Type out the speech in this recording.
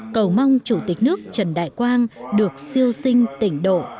cầu mong chủ tịch nước trần đại quang được siêu sinh tỉnh độ